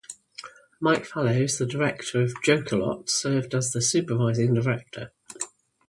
Mike Fallows, the director of "Joke-a-lot", served as the supervising director.